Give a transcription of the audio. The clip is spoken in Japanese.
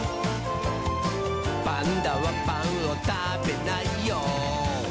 「パンダはパンをたべないよ」